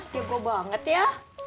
tego banget ya